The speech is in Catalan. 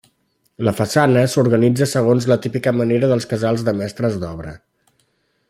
La façana s'organitza segons la típica manera dels casals dels mestres d'obra.